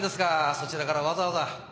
そちらからわざわざ。